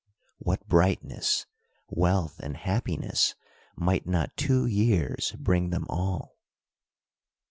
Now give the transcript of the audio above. What brightness, wealth, and happiness might not two years bring them all.